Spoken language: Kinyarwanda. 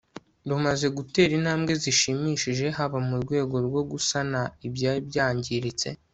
rumaze gutera intambwe zishimishije haba mu rwego rwo gusana ibyari byangiritse